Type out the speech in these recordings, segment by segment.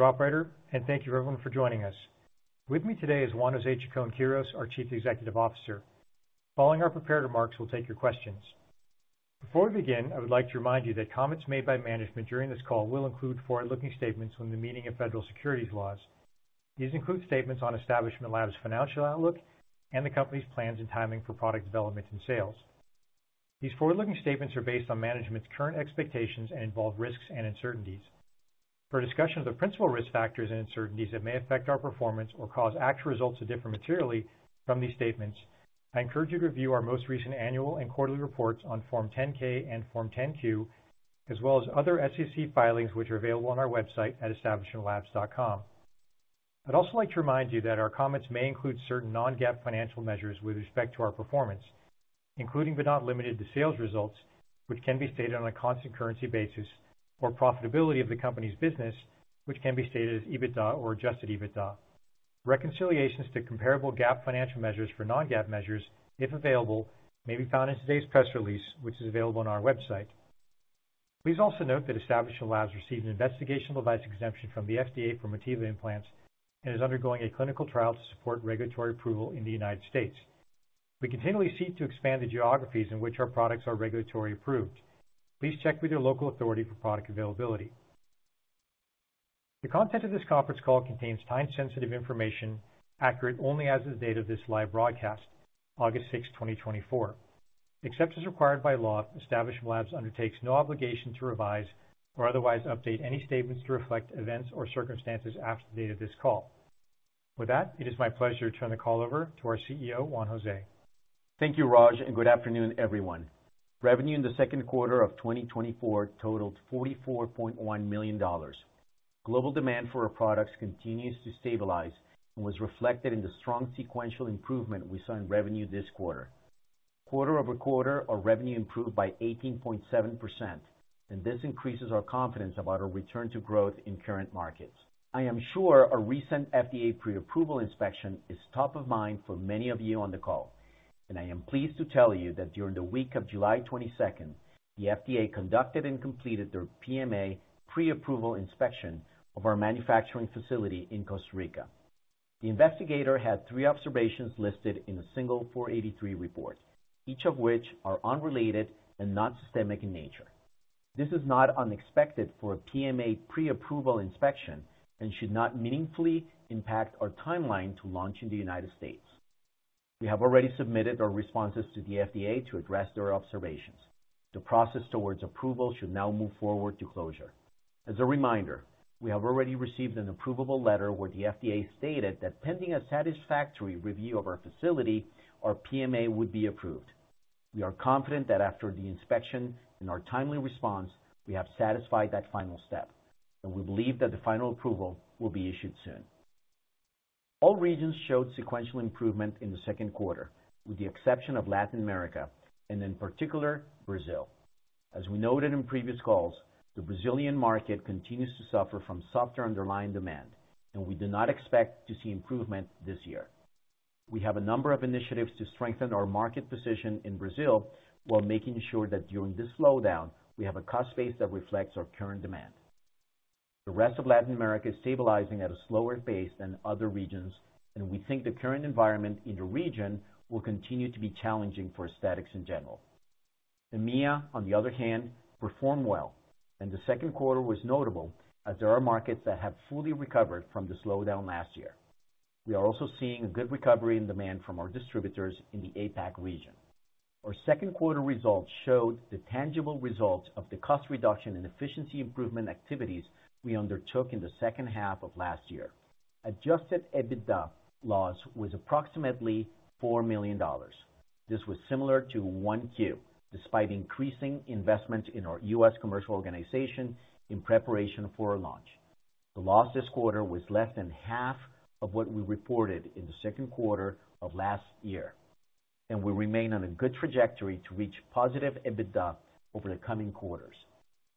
Thank you, operator, and thank you everyone for joining us. With me today is Juan José Chacón-Quirós, our Chief Executive Officer. Following our prepared remarks, we'll take your questions. Before we begin, I would like to remind you that comments made by management during this call will include forward-looking statements within the meaning of federal securities laws. These include statements on Establishment Labs' financial outlook and the company's plans and timing for product development and sales. These forward-looking statements are based on management's current expectations and involve risks and uncertainties. For a discussion of the principal risk factors and uncertainties that may affect our performance or cause actual results to differ materially from these statements, I encourage you to review our most recent annual and quarterly reports on Form 10-K and Form 10-Q, as well as other SEC filings, which are available on our website at establishmentlabs.com. I'd also like to remind you that our comments may include certain non-GAAP financial measures with respect to our performance, including, but not limited to, sales results, which can be stated on a constant currency basis, or profitability of the company's business, which can be stated as EBITDA or Adjusted EBITDA. Reconciliations to comparable GAAP financial measures for non-GAAP measures, if available, may be found in today's press release, which is available on our website. Please also note that Establishment Labs received an investigational device exemption from the FDA for Motiva Implants and is undergoing a clinical trial to support regulatory approval in the United States. We continually seek to expand the geographies in which our products are regulatory approved. Please check with your local authority for product availability. The content of this conference call contains time-sensitive information, accurate only as of the date of this live broadcast, August 6, 2024. Except as required by law, Establishment Labs undertakes no obligation to revise or otherwise update any statements to reflect events or circumstances after the date of this call. With that, it is my pleasure to turn the call over to our CEO, Juan José. Thank you, Raj, and good afternoon, everyone. Revenue in the second quarter of 2024 totaled $44.1 million. Global demand for our products continues to stabilize and was reflected in the strong sequential improvement we saw in revenue this quarter. Quarter-over-quarter, our revenue improved by 18.7%, and this increases our confidence about our return to growth in current markets. I am sure our recent FDA pre-approval inspection is top of mind for many of you on the call, and I am pleased to tell you that during the week of July 22, the FDA conducted and completed their PMA pre-approval inspection of our manufacturing facility in Costa Rica. The investigator had three observations listed in a single 483 report, each of which are unrelated and not systemic in nature. This is not unexpected for a PMA pre-approval inspection and should not meaningfully impact our timeline to launch in the United States. We have already submitted our responses to the FDA to address their observations. The process towards approval should now move forward to closure. As a reminder, we have already received an approvable letter where the FDA stated that pending a satisfactory review of our facility, our PMA would be approved. We are confident that after the inspection and our timely response, we have satisfied that final step, and we believe that the final approval will be issued soon. All regions showed sequential improvement in the second quarter, with the exception of Latin America and in particular, Brazil. As we noted in previous calls, the Brazilian market continues to suffer from softer underlying demand, and we do not expect to see improvement this year. We have a number of initiatives to strengthen our market position in Brazil while making sure that during this slowdown, we have a cost base that reflects our current demand. The rest of Latin America is stabilizing at a slower pace than other regions, and we think the current environment in the region will continue to be challenging for aesthetics in general. EMEA, on the other hand, performed well, and the second quarter was notable as there are markets that have fully recovered from the slowdown last year. We are also seeing a good recovery in demand from our distributors in the APAC region. Our second quarter results showed the tangible results of the cost reduction and efficiency improvement activities we undertook in the second half of last year. Adjusted EBITDA loss was approximately $4 million. This was similar to Q1, despite increasing investment in our U.S. commercial organization in preparation for our launch. The loss this quarter was less than half of what we reported in the second quarter of last year, and we remain on a good trajectory to reach positive EBITDA over the coming quarters.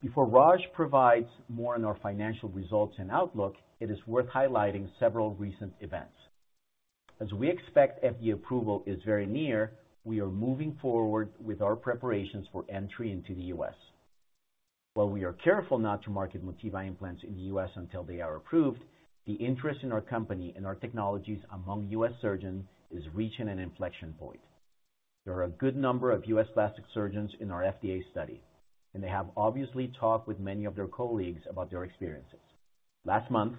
Before Raj provides more on our financial results and outlook, it is worth highlighting several recent events. As we expect, FDA approval is very near, we are moving forward with our preparations for entry into the U.S. While we are careful not to market Motiva implants in the U.S. until they are approved, the interest in our company and our technologies among U.S. surgeons is reaching an inflection point. There are a good number of U.S. plastic surgeons in our FDA study, and they have obviously talked with many of their colleagues about their experiences. Last month,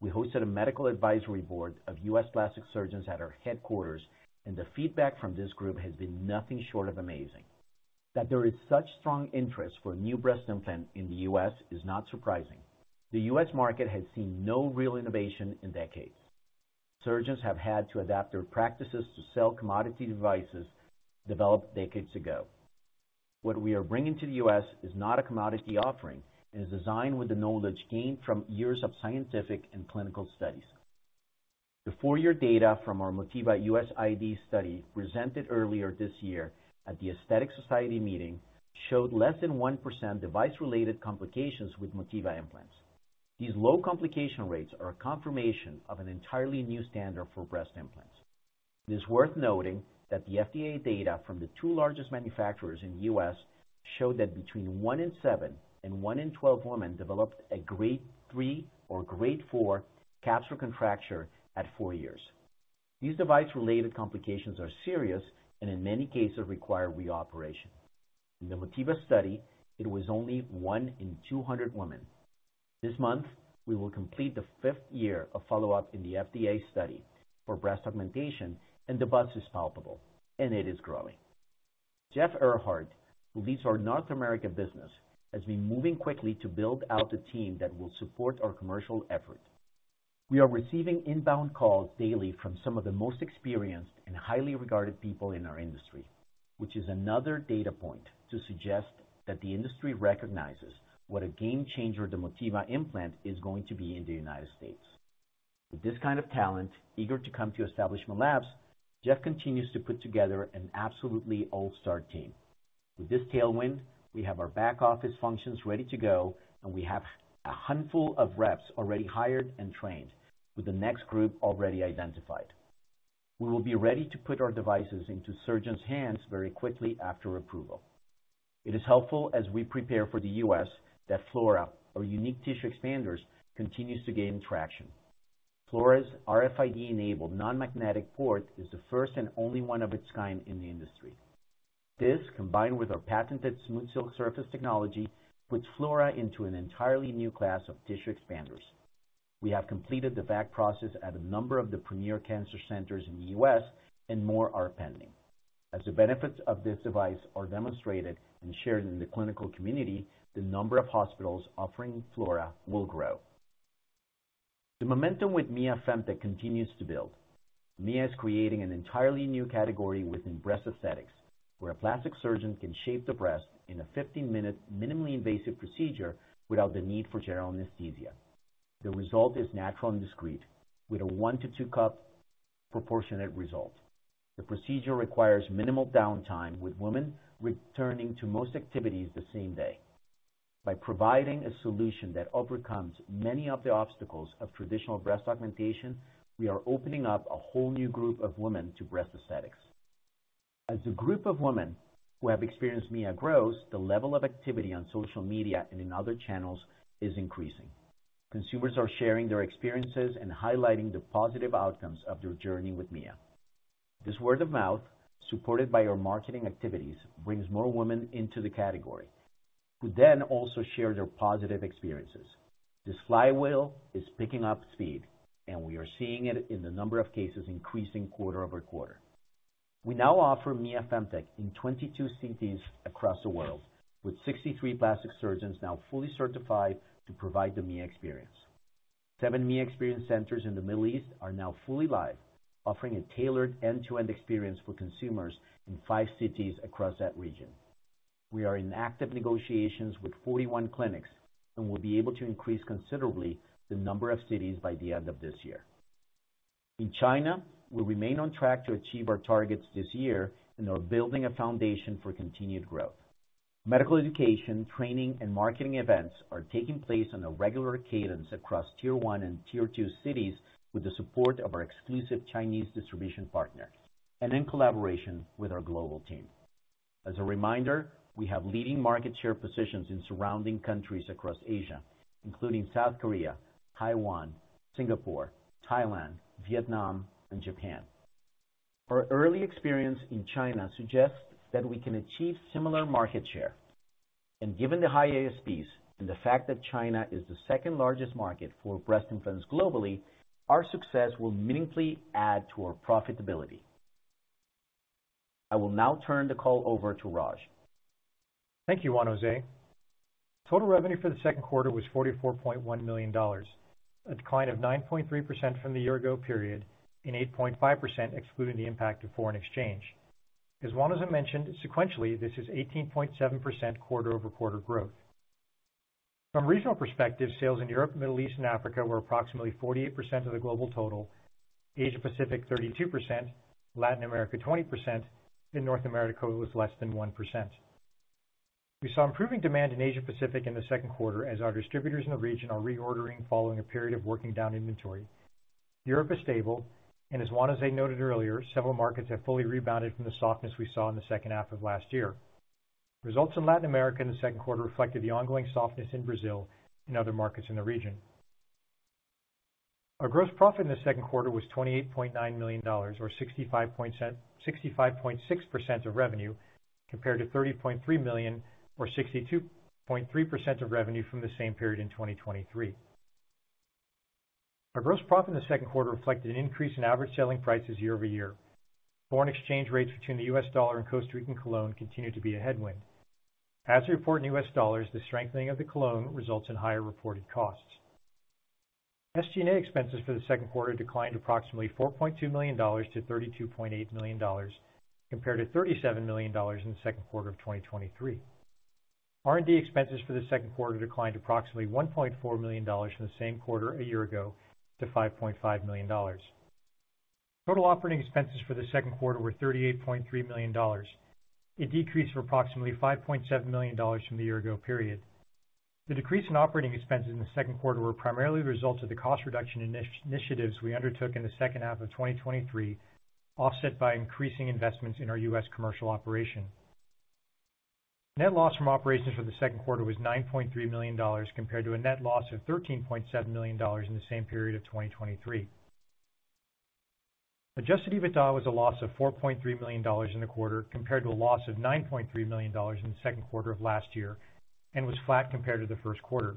we hosted a medical advisory board of U.S. plastic surgeons at our headquarters, and the feedback from this group has been nothing short of amazing. That there is such strong interest for a new breast implant in the U.S. is not surprising. The U.S. market has seen no real innovation in decades. Surgeons have had to adapt their practices to sell commodity devices developed decades ago. What we are bringing to the U.S. is not a commodity offering and is designed with the knowledge gained from years of scientific and clinical studies. The four-year data from our Motiva U.S. ID study, presented earlier this year at the Aesthetic Society meeting, showed less than 1% device-related complications with Motiva implants. These low complication rates are a confirmation of an entirely new standard for breast implants.... It is worth noting that the FDA data from the two largest manufacturers in the U.S. show that between one in seven and one in 12 women developed a Grade 3 or Grade 4 capsular contracture at four years. These device-related complications are serious and in many cases require reoperation. In the Motiva study, it was only one in 200 women. This month, we will complete the 5th year of follow-up in the FDA study for breast augmentation, and the buzz is palpable, and it is growing. Jeff Ehrhardt, who leads our North America business, has been moving quickly to build out the team that will support our commercial effort. We are receiving inbound calls daily from some of the most experienced and highly regarded people in our industry, which is another data point to suggest that the industry recognizes what a game changer the Motiva implant is going to be in the United States. With this kind of talent, eager to come to Establishment Labs, Jeff continues to put together an absolutely all-star team. With this tailwind, we have our back-office functions ready to go, and we have a handful of reps already hired and trained, with the next group already identified. We will be ready to put our devices into surgeons' hands very quickly after approval. It is helpful, as we prepare for the U.S., that Flora, our unique tissue expanders, continues to gain traction. Flora's RFID-enabled, non-magnetic port is the first and only one of its kind in the industry. This, combined with our patented SmoothSilk surface technology, puts Flora into an entirely new class of tissue expanders. We have completed the VAC process at a number of the premier cancer centers in the U.S., and more are pending. As the benefits of this device are demonstrated and shared in the clinical community, the number of hospitals offering Flora will grow. The momentum with Mia Femtech continues to build. Mia is creating an entirely new category within breast aesthetics, where a plastic surgeon can shape the breast in a 15-minute, minimally invasive procedure without the need for general anesthesia. The result is natural and discreet, with a 1-2-cup proportionate result. The procedure requires minimal downtime, with women returning to most activities the same day. By providing a solution that overcomes many of the obstacles of traditional breast augmentation, we are opening up a whole new group of women to breast aesthetics. As the group of women who have experienced Mia grows, the level of activity on social media and in other channels is increasing. Consumers are sharing their experiences and highlighting the positive outcomes of their journey with Mia. This word of mouth, supported by our marketing activities, brings more women into the category, who then also share their positive experiences. This flywheel is picking up speed, and we are seeing it in the number of cases increasing quarter-over-quarter. We now offer Mia Femtech in 22 cities across the world, with 63 plastic surgeons now fully certified to provide the Mia Experience. 7 Mia Experience centers in the Middle East are now fully live, offering a tailored end-to-end experience for consumers in five cities across that region. We are in active negotiations with 41 clinics and will be able to increase considerably the number of cities by the end of this year. In China, we remain on track to achieve our targets this year and are building a foundation for continued growth. Medical education, training, and marketing events are taking place on a regular cadence across Tier 1 and Tier 2 cities, with the support of our exclusive Chinese distribution partner and in collaboration with our global team. As a reminder, we have leading market share positions in surrounding countries across Asia, including South Korea, Taiwan, Singapore, Thailand, Vietnam, and Japan. Our early experience in China suggests that we can achieve similar market share, and given the high ASPs and the fact that China is the second-largest market for breast implants globally, our success will meaningfully add to our profitability. I will now turn the call over to Raj. Thank you, Juan José. Total revenue for the second quarter was $44.1 million, a decline of 9.3% from the year-ago period and 8.5%, excluding the impact of foreign exchange. As Juan José mentioned, sequentially, this is 18.7% quarter-over-quarter growth. From a regional perspective, sales in Europe, Middle East, and Africa were approximately 48% of the global total, Asia Pacific, 32%, Latin America, 20%, and North America was less than 1%. We saw improving demand in Asia Pacific in the second quarter as our distributors in the region are reordering following a period of working down inventory. Europe is stable, and as Juan José noted earlier, several markets have fully rebounded from the softness we saw in the second half of last year. Results in Latin America in the second quarter reflected the ongoing softness in Brazil and other markets in the region. Our gross profit in the second quarter was $28.9 million, or 65.6% of revenue, compared to $30.3 million, or 62.3% of revenue from the same period in 2023. Our gross profit in the second quarter reflected an increase in average selling prices year over year. Foreign exchange rates between the U.S. dollar and Costa Rican colón continued to be a headwind. As we report in U.S. dollars, the strengthening of the colón results in higher reported costs. SG&A expenses for the second quarter declined approximately $4.2 million to $32.8 million, compared to $37 million in the second quarter of 2023. R&D expenses for the second quarter declined approximately $1.4 million from the same quarter a year ago to $5.5 million. Total operating expenses for the second quarter were $38.3 million, a decrease of approximately $5.7 million from the year ago period. The decrease in operating expenses in the second quarter were primarily the result of the cost reduction initiatives we undertook in the second half of 2023, offset by increasing investments in our U.S. commercial operation. Net loss from operations for the second quarter was $9.3 million, compared to a net loss of $13.7 million in the same period of 2023. Adjusted EBITDA was a loss of $4.3 million in the quarter, compared to a loss of $9.3 million in the second quarter of last year, and was flat compared to the first quarter.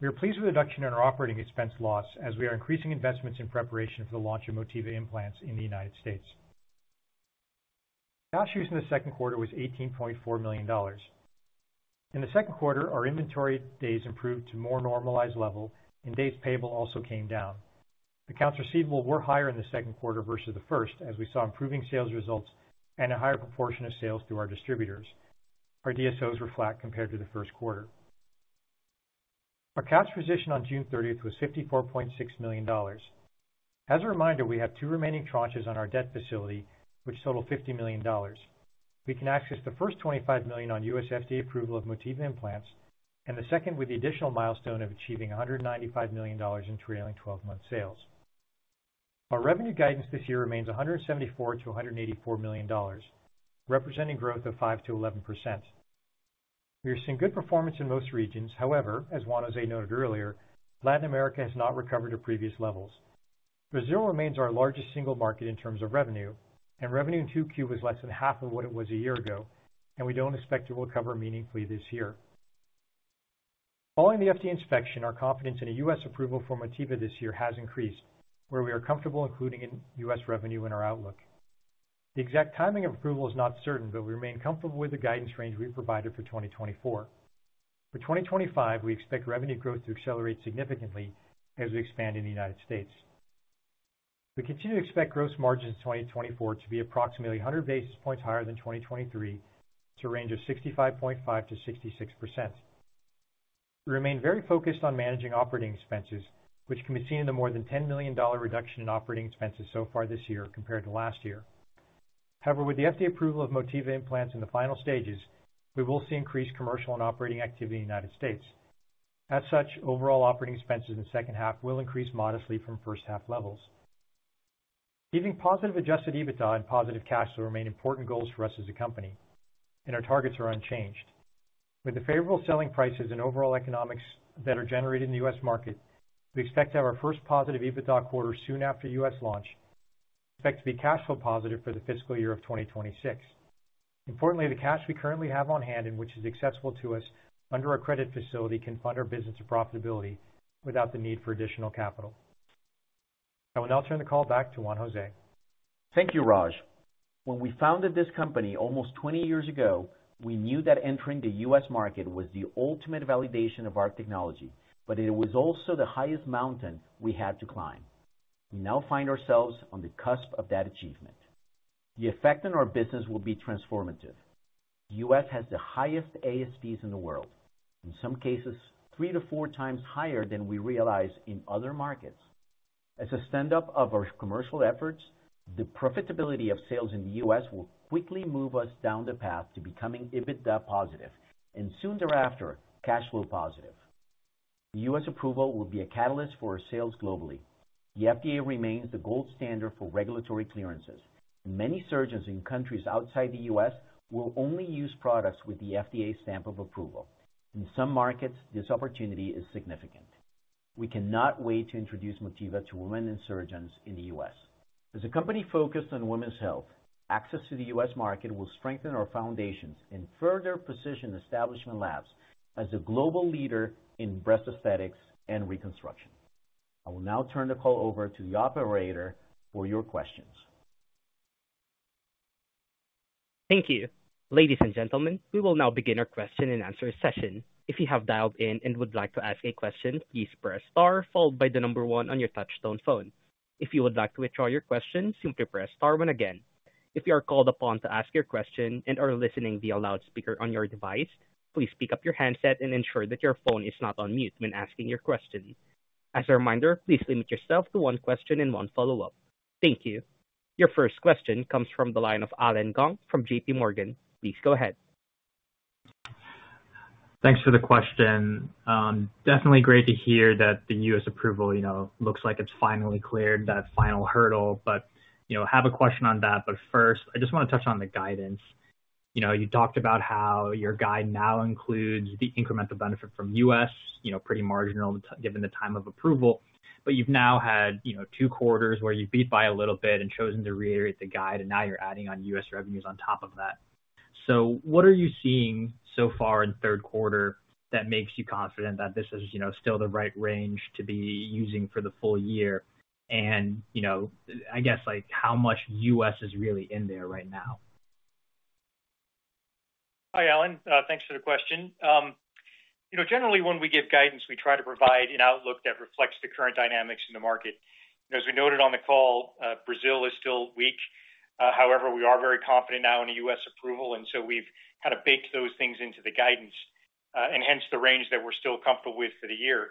We are pleased with the reduction in our operating expense loss, as we are increasing investments in preparation for the launch of Motiva Implants in the United States. Cash used in the second quarter was $18.4 million. In the second quarter, our inventory days improved to more normalized level, and days payable also came down. Accounts receivable were higher in the second quarter versus the first, as we saw improving sales results and a higher proportion of sales through our distributors. Our DSOs were flat compared to the first quarter. Our cash position on June 30 was $54.6 million. As a reminder, we have two remaining tranches on our debt facility, which total $50 million. We can access the first $25 million on U.S. FDA approval of Motiva Implants, and the second with the additional milestone of achieving $195 million in trailing 12-month sales. Our revenue guidance this year remains $174 million-$184 million, representing growth of 5%-11%. We are seeing good performance in most regions. However, as Juan José noted earlier, Latin America has not recovered to previous levels. Brazil remains our largest single market in terms of revenue, and revenue in 2Q was less than half of what it was a year ago, and we don't expect it will recover meaningfully this year. Following the FDA inspection, our confidence in a U.S. approval for Motiva this year has increased, where we are comfortable including in U.S. revenue in our outlook. The exact timing of approval is not certain, but we remain comfortable with the guidance range we provided for 2024. For 2025, we expect revenue growth to accelerate significantly as we expand in the United States. We continue to expect gross margins in 2024 to be approximately 100 basis points higher than 2023, to a range of 65.5%-66%. We remain very focused on managing operating expenses, which can be seen in the more than $10 million reduction in operating expenses so far this year compared to last year. However, with the FDA approval of Motiva Implants in the final stages, we will see increased commercial and operating activity in the United States. As such, overall operating expenses in the second half will increase modestly from first half levels. Giving positive Adjusted EBITDA and positive cash flow remain important goals for us as a company, and our targets are unchanged. With the favorable selling prices and overall economics that are generated in the U.S. market, we expect to have our first positive EBITDA quarter soon after U.S. launch. Expect to be cash flow positive for the fiscal year of 2026. Importantly, the cash we currently have on hand and which is accessible to us under our credit facility, can fund our business to profitability without the need for additional capital. I will now turn the call back to Juan José. Thank you, Raj. When we founded this company almost 20 years ago, we knew that entering the U.S. market was the ultimate validation of our technology, but it was also the highest mountain we had to climb. We now find ourselves on the cusp of that achievement. The effect on our business will be transformative. The U.S. has the highest ASPs in the world, in some cases, 3x-4x higher than we realize in other markets. As a stand-up of our commercial efforts, the profitability of sales in the U.S. will quickly move us down the path to becoming EBITDA positive, and soon thereafter, cash flow positive. The U.S. approval will be a catalyst for our sales globally. The FDA remains the gold standard for regulatory clearances. Many surgeons in countries outside the U.S. will only use products with the FDA stamp of approval. In some markets, this opportunity is significant. We cannot wait to introduce Motiva to women and surgeons in the U.S. As a company focused on women's health, access to the U.S. market will strengthen our foundations and further position Establishment Labs as a global leader in breast aesthetics and reconstruction. I will now turn the call over to the operator for your questions. Thank you. Ladies and gentlemen, we will now begin our question-and-answer session. If you have dialed in and would like to ask a question, please press star, followed by the number one on your touchtone phone. If you would like to withdraw your question, simply press star one again. If you are called upon to ask your question and are listening via loudspeaker on your device, please pick up your handset and ensure that your phone is not on mute when asking your question. As a reminder, please limit yourself to one question and one follow-up. Thank you. Your first question comes from the line of Allen Gong from JPMorgan. Please go ahead. Thanks for the question. Definitely great to hear that the U.S. approval, you know, looks like it's finally cleared that final hurdle, but, you know, I have a question on that. But first, I just want to touch on the guidance. You know, you talked about how your guide now includes the incremental benefit from U.S., you know, pretty marginal given the time of approval, but you've now had, you know, two quarters where you've beat by a little bit and chosen to reiterate the guide, and now you're adding on U.S. revenues on top of that. So what are you seeing so far in the third quarter that makes you confident that this is, you know, still the right range to be using for the full year? And, you know, I guess, like, how much U.S. is really in there right now? Hi, Allen. Thanks for the question. You know, generally, when we give guidance, we try to provide an outlook that reflects the current dynamics in the market. As we noted on the call, Brazil is still weak. However, we are very confident now in the U.S. approval, and so we've kind of baked those things into the guidance, and hence the range that we're still comfortable with for the year.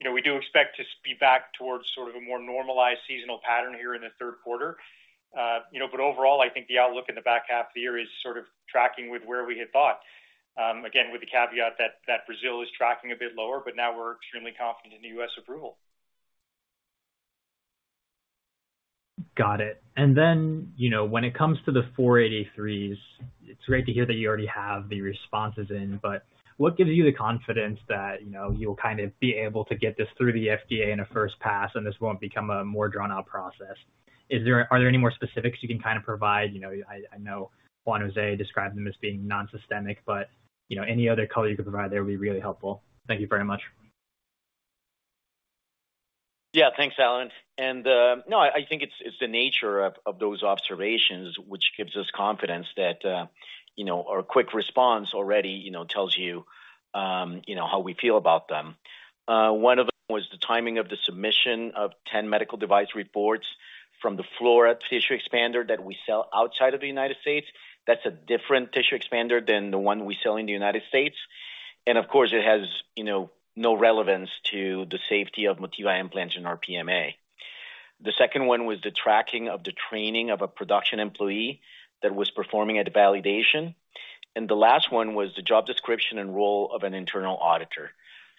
You know, we do expect to be back towards sort of a more normalized seasonal pattern here in the third quarter. You know, but overall, I think the outlook in the back half of the year is sort of tracking with where we had thought. Again, with the caveat that Brazil is tracking a bit lower, but now we're extremely confident in the U.S. approval. Got it. And then, you know, when it comes to the 483s, it's great to hear that you already have the responses in, but what gives you the confidence that, you know, you'll kind of be able to get this through the FDA in a first pass, and this won't become a more drawn-out process? Is there? Are there any more specifics you can kind of provide? You know, I, I know Juan José described them as being nonsystemic, but, you know, any other color you could provide there would be really helpful. Thank you very much. Yeah, thanks, Alan. And, no, I think it's the nature of those observations, which gives us confidence that, you know, our quick response already, you know, tells you, you know, how we feel about them. One of them was the timing of the submission of 10 medical device reports from the Flora tissue expander that we sell outside of the United States. That's a different tissue expander than the one we sell in the United States, and of course, it has, you know, no relevance to the safety of Motiva implants in our PMA. The second one was the tracking of the training of a production employee that was performing at a validation, and the last one was the job description and role of an internal auditor.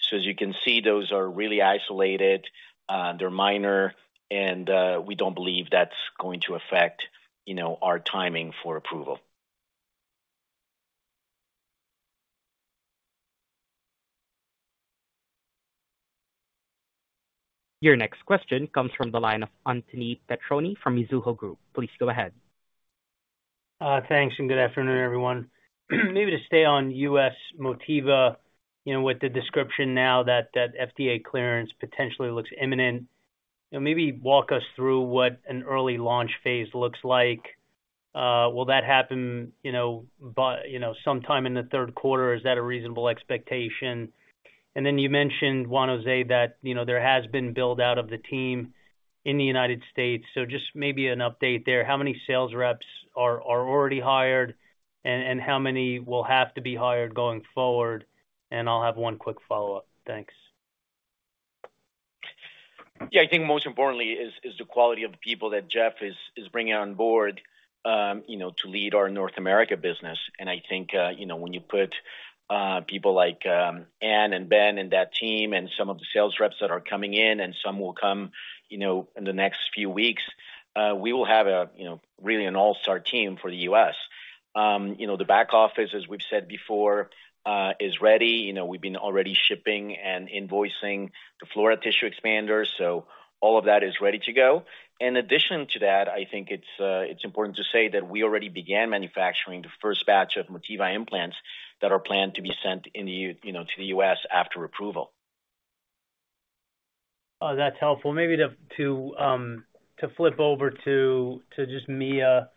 So as you can see, those are really isolated, they're minor, and we don't believe that's going to affect, you know, our timing for approval. Your next question comes from the line of Anthony Petrone from Mizuho Group. Please go ahead. Thanks, and good afternoon, everyone. Maybe to stay on U.S. Motiva, you know, with the description now that FDA clearance potentially looks imminent. You know, maybe walk us through what an early launch phase looks like. Will that happen, you know, by, you know, sometime in the third quarter? Is that a reasonable expectation? And then you mentioned, Juan José, that, you know, there has been build-out of the team in the United States, so just maybe an update there. How many sales reps are already hired, and how many will have to be hired going forward? And I'll have one quick follow-up. Thanks. Yeah, I think most importantly is the quality of the people that Jeff is bringing on board, you know, to lead our North America business. And I think, you know, when you put people like Anne and Ben and that team, and some of the sales reps that are coming in, and some will come, you know, in the next few weeks, we will have a, you know, really an all-star team for the US. You know, the back office, as we've said before, is ready. You know, we've been already shipping and invoicing the Flora tissue expander, so all of that is ready to go. In addition to that, I think it's important to say that we already began manufacturing the first batch of Motiva Implants that are planned to be sent, you know, to the U.S. after approval. That's helpful. Maybe to flip over to just Mia,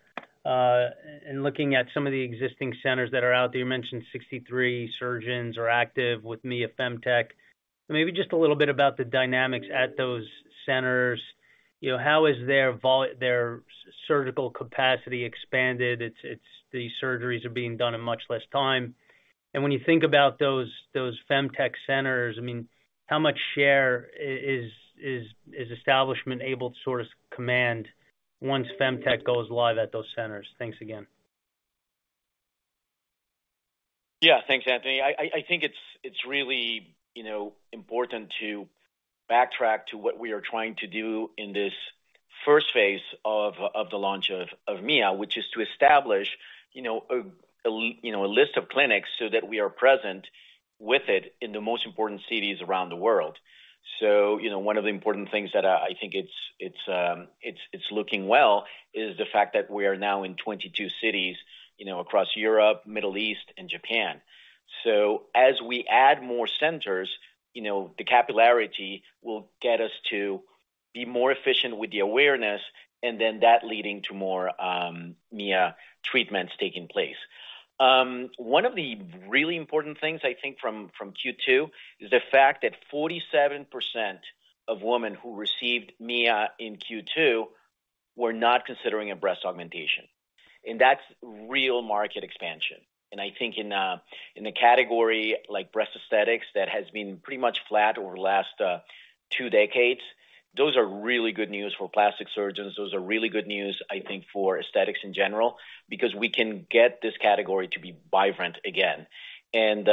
in looking at some of the existing centers that are out there, you mentioned 63 surgeons are active with Mia Femtech. Maybe just a little bit about the dynamics at those centers. You know, how is their surgical capacity expanded? It's the surgeries are being done in much less time. And when you think about those Femtech centers, I mean, how much share is Establishment able to sort of command once Femtech goes live at those centers? Thanks again. Yeah, thanks, Anthony. I think it's really, you know, important to backtrack to what we are trying to do in this first phase of the launch of Mia, which is to establish, you know, a list of clinics so that we are present with it in the most important cities around the world. So, you know, one of the important things that I think it's looking well is the fact that we are now in 22 cities, you know, across Europe, Middle East, and Japan. So as we add more centers, you know, the capillarity will get us to be more efficient with the awareness, and then that leading to more Mia treatments taking place. One of the really important things I think from Q2 is the fact that 47% of women who received Mia in Q2 were not considering a breast augmentation, and that's real market expansion. And I think in a category like breast aesthetics that has been pretty much flat over the last two decades, those are really good news for plastic surgeons. Those are really good news, I think, for aesthetics in general, because we can get this category to be vibrant again. And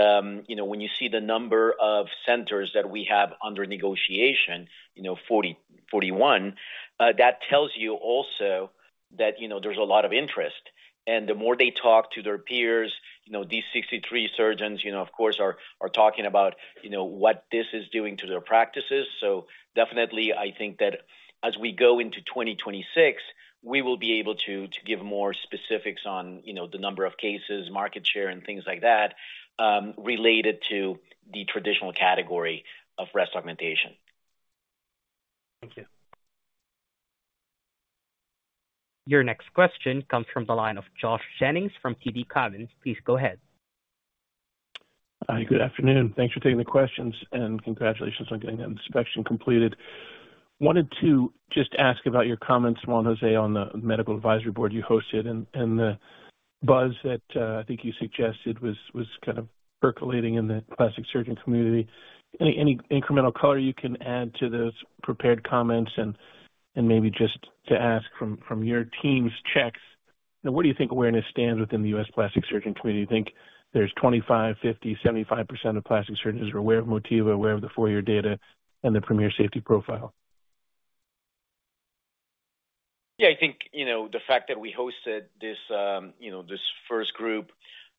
you know, when you see the number of centers that we have under negotiation, you know, 40, 41, that tells you also that you know, there's a lot of interest. And the more they talk to their peers, you know, these 63 surgeons, you know, of course, are talking about, you know, what this is doing to their practices. So definitely, I think that as we go into 2026, we will be able to to give more specifics on, you know, the number of cases, market share, and things like that, related to the traditional category of breast augmentation. Thank you. Your next question comes from the line of Josh Jennings from TD Cowen. Please go ahead. Good afternoon. Thanks for taking the questions, and congratulations on getting that inspection completed.... Wanted to just ask about your comments, Juan José, on the medical advisory board you hosted and, and the buzz that, I think you suggested was, was kind of percolating in the plastic surgeon community. Any, any incremental color you can add to those prepared comments? And, and maybe just to ask from, from your team's checks, now, where do you think awareness stands within the U.S. plastic surgeon community? Do you think there's 25%, 50%, 75% of plastic surgeons are aware of Motiva, aware of the four-year data and the premier safety profile? Yeah, I think, you know, the fact that we hosted this, you know, this first group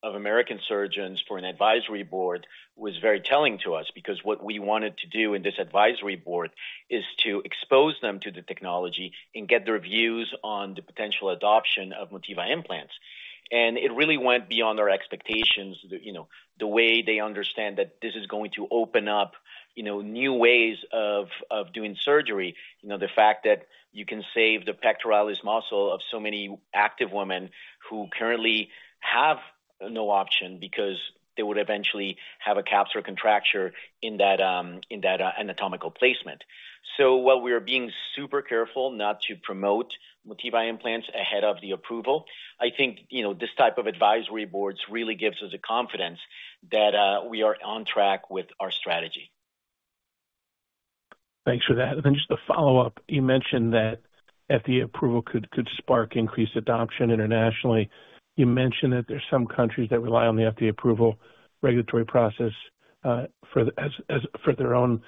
of American surgeons for an advisory board was very telling to us. Because what we wanted to do in this advisory board is to expose them to the technology and get their views on the potential adoption of Motiva Implants. And it really went beyond our expectations, the, you know, the way they understand that this is going to open up, you know, new ways of doing surgery. You know, the fact that you can save the pectoralis muscle of so many active women who currently have no option, because they would eventually have a capsular contracture in that anatomical placement. So while we are being super careful not to promote Motiva Implants ahead of the approval, I think, you know, this type of advisory boards really gives us the confidence that we are on track with our strategy. Thanks for that. And then just a follow-up, you mentioned that FDA approval could spark increased adoption internationally. You mentioned that there's some countries that rely on the FDA approval regulatory process for the as, as for their own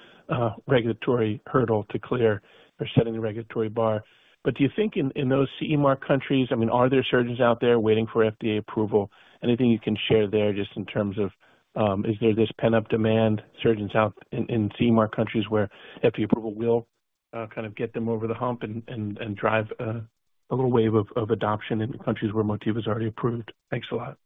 regulatory hurdle to clear or setting the regulatory bar. But do you think in those CE Mark countries, I mean, are there surgeons out there waiting for FDA approval? Anything you can share there, just in terms of is there this pent-up demand, surgeons out in CE Mark countries where FDA approval will kind of get them over the hump and drive a little wave of adoption in countries where Motiva is already approved? Thanks a lot.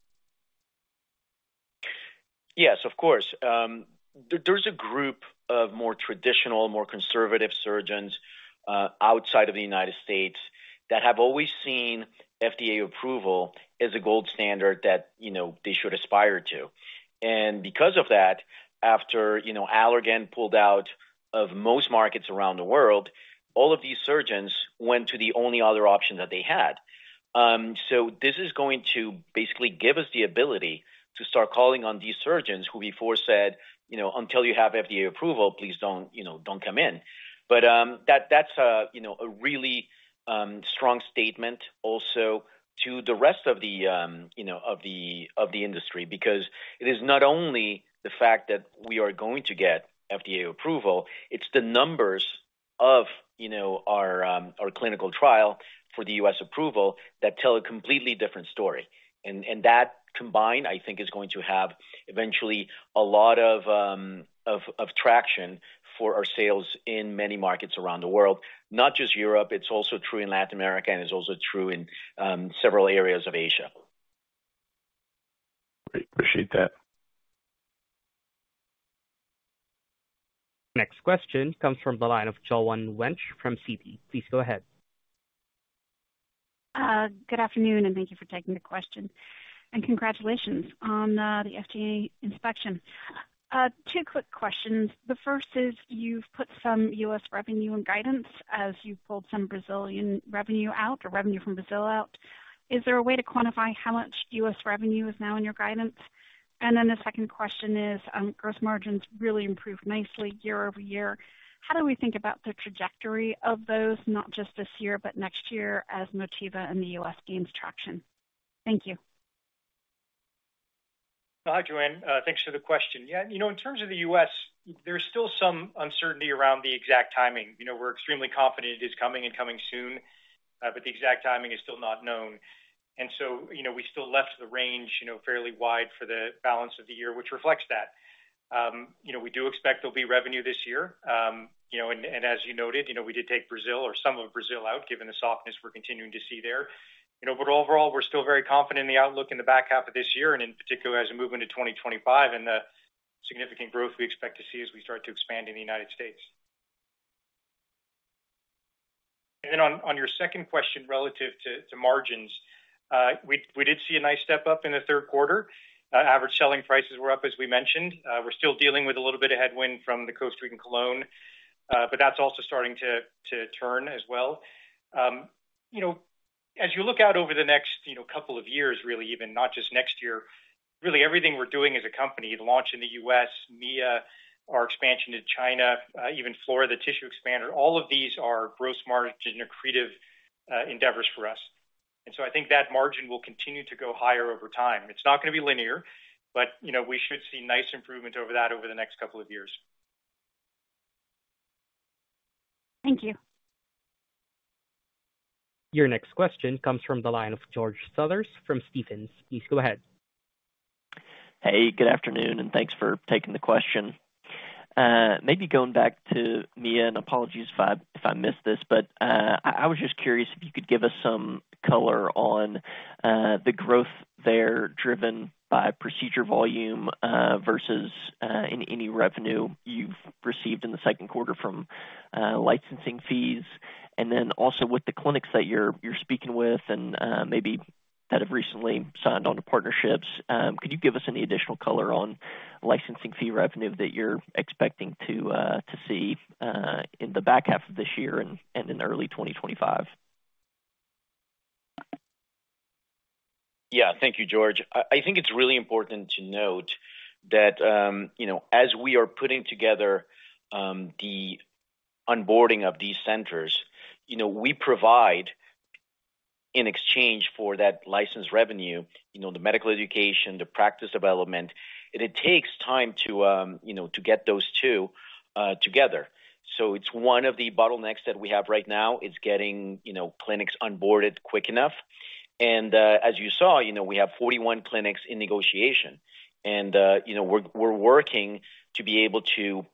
Yes, of course. There's a group of more traditional, more conservative surgeons outside of the United States that have always seen FDA approval as a gold standard that, you know, they should aspire to. And because of that, after, you know, Allergan pulled out of most markets around the world, all of these surgeons went to the only other option that they had. So this is going to basically give us the ability to start calling on these surgeons who before said, "You know, until you have FDA approval, please don't, you know, don't come in." But that, that's a, you know, a really strong statement also to the rest of the, you know, of the industry. Because it is not only the fact that we are going to get FDA approval, it's the numbers of, you know, our clinical trial for the U.S. approval that tell a completely different story. And that combined, I think, is going to have eventually a lot of traction for our sales in many markets around the world. Not just Europe, it's also true in Latin America, and it's also true in several areas of Asia. Great. Appreciate that. Next question comes from the line of Joanne Wuensch from Citi. Please go ahead. Good afternoon, and thank you for taking the question. Congratulations on the FDA inspection. Two quick questions. The first is, you've put some U.S. revenue and guidance as you've pulled some Brazilian revenue out or revenue from Brazil out. Is there a way to quantify how much U.S. revenue is now in your guidance? Then the second question is, gross margins really improved nicely year-over-year. How do we think about the trajectory of those, not just this year, but next year, as Motiva in the U.S. gains traction? Thank you. Hi, Joanne. Thanks for the question. Yeah, you know, in terms of the U.S., there's still some uncertainty around the exact timing. You know, we're extremely confident it is coming and coming soon, but the exact timing is still not known. And so, you know, we still left the range, you know, fairly wide for the balance of the year, which reflects that. You know, we do expect there'll be revenue this year. You know, and, and as you noted, you know, we did take Brazil or some of Brazil out, given the softness we're continuing to see there. You know, but overall, we're still very confident in the outlook in the back half of this year, and in particular, as we move into 2025 and the significant growth we expect to see as we start to expand in the United States. And then on your second question, relative to margins, we did see a nice step up in the third quarter. Average selling prices were up, as we mentioned. We're still dealing with a little bit of headwind from the Costa Rican colón, but that's also starting to turn as well. You know, as you look out over the next couple of years, really, even not just next year, really everything we're doing as a company, the launch in the U.S, Mia, our expansion to China, even Flora, the tissue expander, all of these are gross margin accretive endeavors for us. And so I think that margin will continue to go higher over time. It's not going to be linear, but, you know, we should see nice improvement over that over the next couple of years. Thank you. Your next question comes from the line of George Sellers from Stephens. Please go ahead. Hey, good afternoon, and thanks for taking the question. Maybe going back to Mia, and apologies if I missed this, but I was just curious if you could give us some color on the growth there, driven by procedure volume, versus any revenue you've received in the second quarter from licensing fees? ...And then also with the clinics that you're speaking with and maybe that have recently signed on to partnerships, could you give us any additional color on licensing fee revenue that you're expecting to see in the back half of this year and in early 2025? Yeah, thank you, George. I think it's really important to note that, you know, as we are putting together the onboarding of these centers, you know, we provide in exchange for that license revenue, you know, the medical education, the practice development, and it takes time to, you know, to get those two together. So it's one of the bottlenecks that we have right now, is getting, you know, clinics onboarded quick enough. And, as you saw, you know, we have 41 clinics in negotiation, and, you know, we're working to be able to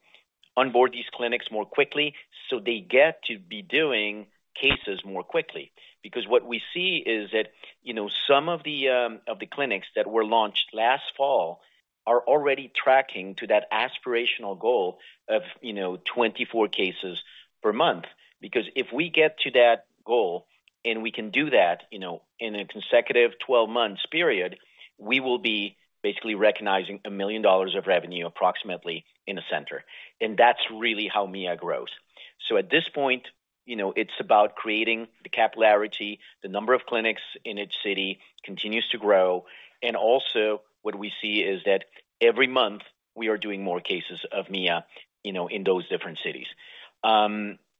onboard these clinics more quickly, so they get to be doing cases more quickly. Because what we see is that, you know, some of the clinics that were launched last fall are already tracking to that aspirational goal of, you know, 24 cases per month. Because if we get to that goal, and we can do that, you know, in a consecutive 12-month period, we will be basically recognizing $1 million of revenue, approximately, in a center. And that's really how Mia grows. So at this point, you know, it's about creating the capillarity, the number of clinics in each city continues to grow, and also, what we see is that every month we are doing more cases of Mia, you know, in those different cities.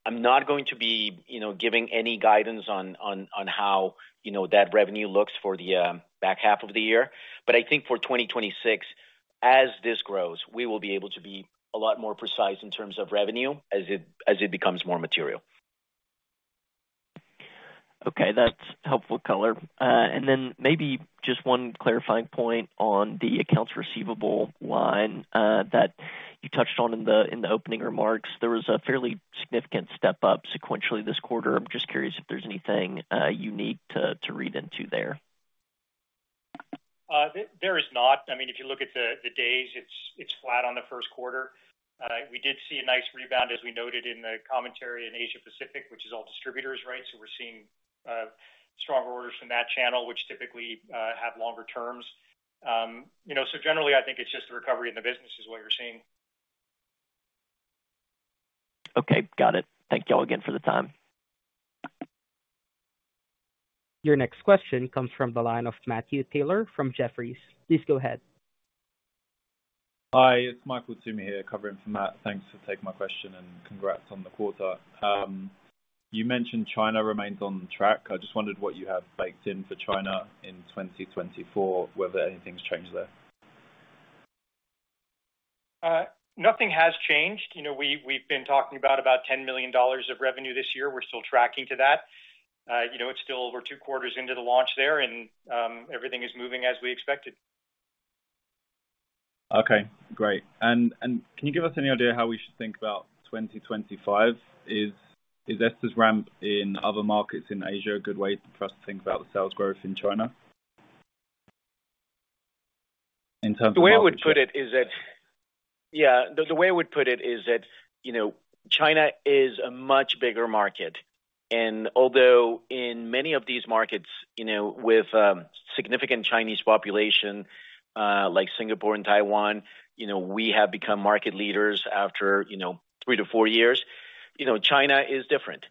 I'm not going to be, you know, giving any guidance on how, you know, that revenue looks for the back half of the year, but I think for 2026, as this grows, we will be able to be a lot more precise in terms of revenue, as it, as it becomes more material. Okay, that's helpful color. And then maybe just one clarifying point on the accounts receivable line, that you touched on in the opening remarks. There was a fairly significant step up sequentially this quarter. I'm just curious if there's anything unique to read into there? There is not. I mean, if you look at the days, it's flat on the first quarter. We did see a nice rebound, as we noted in the commentary in Asia Pacific, which is all distributors, right? So we're seeing stronger orders from that channel, which typically have longer terms. You know, so generally, I think it's just the recovery in the business is what you're seeing. Okay, got it. Thank you all again for the time. Your next question comes from the line of Matthew Taylor, from Jefferies. Please go ahead. Hi, it's Michael Toomey here, covering for Matt. Thanks for taking my question and congrats on the quarter. You mentioned China remains on track. I just wondered what you have baked in for China in 2024, whether anything's changed there? Nothing has changed. You know, we've been talking about $10 million of revenue this year. We're still tracking to that. You know, it's still over two quarters into the launch there, and everything is moving as we expected. Okay, great. And, and can you give us any idea how we should think about 2025? Is, is Esther's ramp in other markets in Asia, a good way for us to think about the sales growth in China? In terms of- The way I would put it is that—yeah, the way I would put it is that, you know, China is a much bigger market, and although in many of these markets, you know, with significant Chinese population, like Singapore and Taiwan, you know, we have become market leaders after, you know, three to four years. You know, China is different.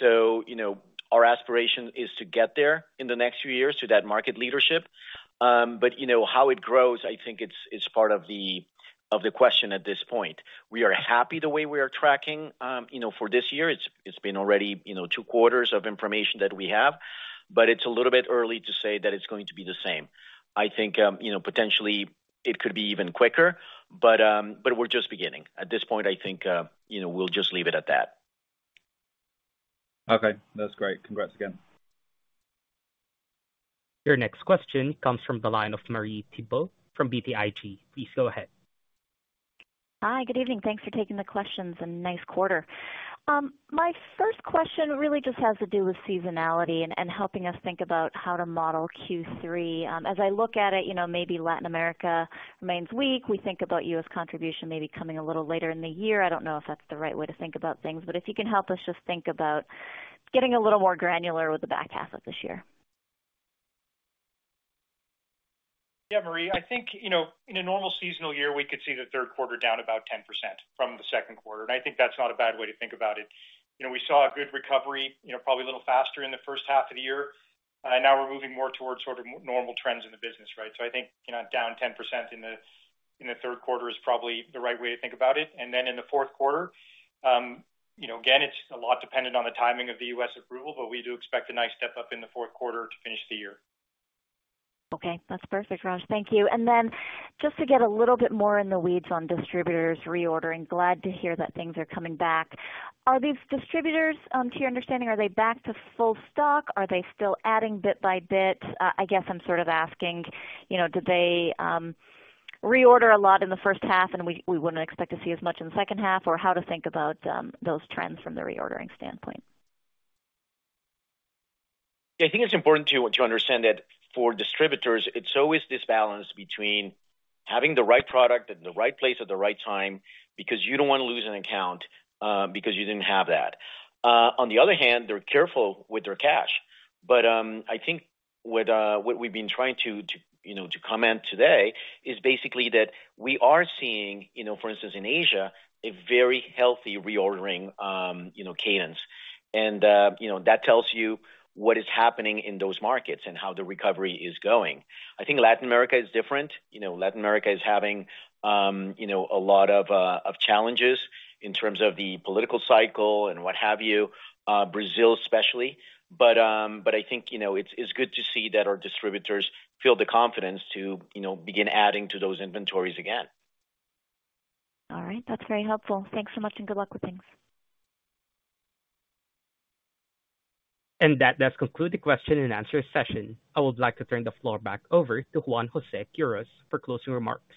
So, you know, our aspiration is to get there in the next few years, to that market leadership. But you know, how it grows, I think it's part of the question at this point. We are happy the way we are tracking. You know, for this year, it's been already, you know, two quarters of information that we have, but it's a little bit early to say that it's going to be the same. I think, you know, potentially it could be even quicker, but we're just beginning. At this point, I think, you know, we'll just leave it at that. Okay. That's great. Congrats again. Your next question comes from the line of Marie Thibault from BTIG. Please go ahead. Hi. Good evening. Thanks for taking the questions and nice quarter. My first question really just has to do with seasonality and helping us think about how to model Q3. As I look at it, you know, maybe Latin America remains weak. We think about U.S. contribution maybe coming a little later in the year. I don't know if that's the right way to think about things, but if you can help us just think about getting a little more granular with the back half of this year. Yeah, Marie, I think, you know, in a normal seasonal year, we could see the third quarter down about 10% from the second quarter, and I think that's not a bad way to think about it. You know, we saw a good recovery, you know, probably a little faster in the first half of the year, now we're moving more towards sort of normal trends in the business, right? So I think, you know, down 10% in the, in the third quarter is probably the right way to think about it. And then in the fourth quarter, you know, again, it's a lot dependent on the timing of the US approval, but we do expect a nice step up in the fourth quarter to finish the year. Okay. That's perfect, Raj. Thank you. And then just to get a little bit more in the weeds on distributors reordering, glad to hear that things are coming back. Are these distributors, to your understanding, are they back to full stock? Are they still adding bit by bit? I guess I'm sort of asking, you know, do they reorder a lot in the first half, and we wouldn't expect to see as much in the second half, or how to think about those trends from the reordering standpoint? Yeah, I think it's important to understand that for distributors, it's always this balance between having the right product at the right place, at the right time, because you don't want to lose an account, because you didn't have that. On the other hand, they're careful with their cash, but, I think what we've been trying to, you know, to comment today, is basically that we are seeing, you know, for instance, in Asia, a very healthy reordering, you know, cadence. And, that tells you what is happening in those markets and how the recovery is going. I think Latin America is different. You know, Latin America is having, you know, a lot of challenges in terms of the political cycle and what have you, Brazil especially. But I think, you know, it's good to see that our distributors feel the confidence to, you know, begin adding to those inventories again. All right. That's very helpful. Thanks so much, and good luck with things. That does conclude the question and answer session. I would like to turn the floor back over to Juan José Chacón-Quirós for closing remarks.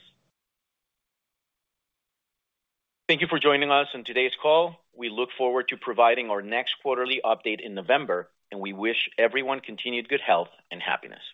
Thank you for joining us on today's call. We look forward to providing our next quarterly update in November, and we wish everyone continued good health and happiness.